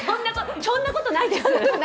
そんなことないです！